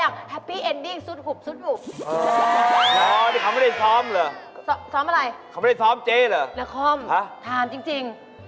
เขาไม่ได้ซ้อมเจ๊เหรอละคอมถามจริง